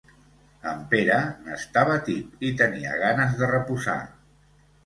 En Pere n’estava tip, i tenia ganes de reposar.